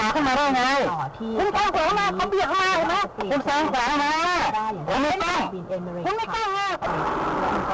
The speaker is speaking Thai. คุณแสงขวา